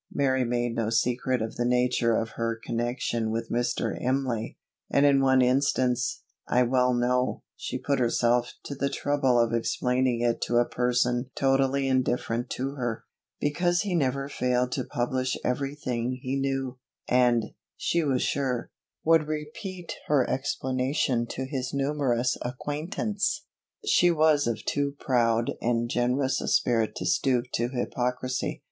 Mary made no secret of the nature of her connection with Mr. Imlay; and in one instance, I well know, she put herself to the trouble of explaining it to a person totally indifferent to her, because he never failed to publish every thing he knew, and, she was sure, would repeat her explanation to his numerous acquaintance. She was of too proud and generous a spirit to stoop to hypocrisy.